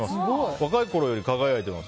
若いころより輝いています。